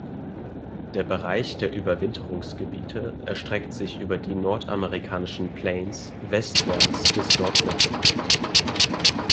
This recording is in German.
Der Bereich der Überwinterungsgebiete erstreckt sich über die nordamerikanischen Plains westwärts bis Nordmexiko.